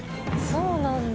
そうなんだ。